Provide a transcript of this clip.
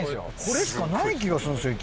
これしかない気がするんですよ